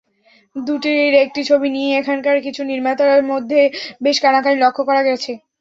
দুটির একটি ছবি নিয়েই এখানকার কিছু নির্মাতার মধ্যে বেশ কানাকানি লক্ষ করা গেছে।